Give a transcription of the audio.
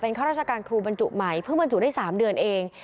ข้าราชการครูบรรจุใหม่เพิ่งบรรจุได้๓เดือนเอง